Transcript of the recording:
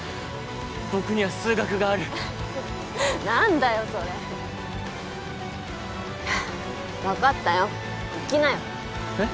僕には数学がある何だよそれ分かったよ行きなよえっ？